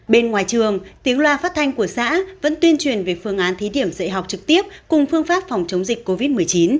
bên ngoài trường tiếng loa phát thanh của xã vẫn tuyên truyền về phương án thí điểm dạy học trực tiếp cùng phương pháp phòng chống dịch covid một mươi chín